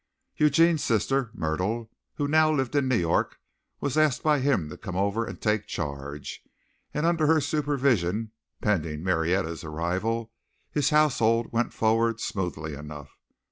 Eugene's sister Myrtle, who now lived in New York, was asked by him to come over and take charge, and under her supervision, pending Marietta's arrival, his household went forward smoothly enough.